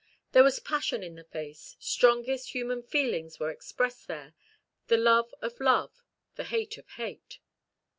There was passion in the face; strongest human feelings were expressed there; the love of love, the hate of hate.